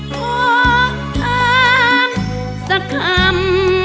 โทษตามสักคำ